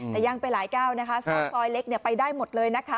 แต่ยังไปหลายก้าวนะคะซอกซอยเล็กไปได้หมดเลยนะคะ